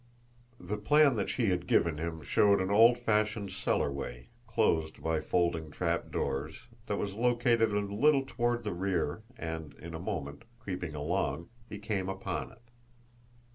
The plan that she had given him showed an old fashioned cellarway, closed by folding trapdoors, that was located a little toward the rear and, in a moment, creeping along, he came upon it.